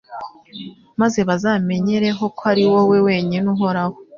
maze bazamenyereho ko ari wowe wenyine Uhoraho